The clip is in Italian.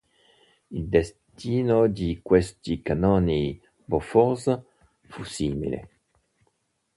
Il destino di questi cannoni Bofors fu simile.